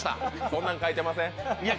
そんなの書いてません。